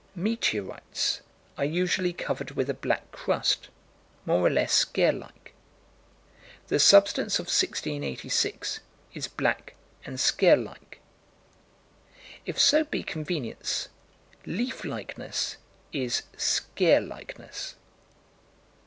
Meteorites are usually covered with a black crust, more or less scale like. The substance of 1686 is black and scale like. If so be convenience, "leaf likeness" is "scale likeness."